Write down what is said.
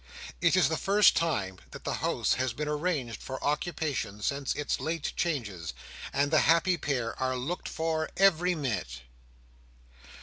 It is the first time that the house has been arranged for occupation since its late changes, and the happy pair are looked for every minute.